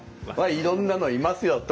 まあいろんなのいますよ。